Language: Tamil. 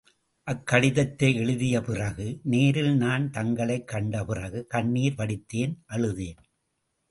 அக்கடிதத்தை எழுதிய பிறகு நேரில் நான் தங்களைக் கண்ட பிறகு கண்ணீர் வடித்தேன் அழுதேன்.